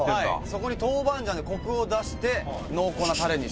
そこに豆板醤でコクを出して濃厚なタレにしていると。